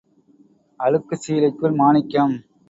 அழுக்குச் சீலைக்குள் மாணிக்கம்.